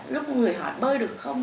lúc người hỏi bơi được không